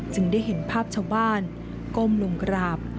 ได้เห็นภาพชาวบ้านก้มลงกราบ